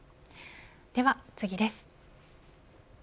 では次です。